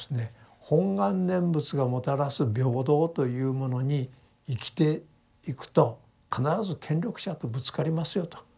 「本願念仏がもたらす平等というものに生きていくと必ず権力者とぶつかりますよ」と。